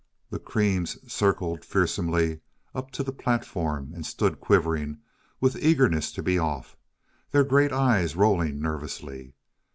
The creams circled fearsomely up to the platform and stood quivering with eagerness to be off, their great eyes rolling nervously.